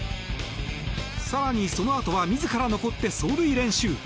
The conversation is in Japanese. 更に、そのあとは自ら残って走塁練習。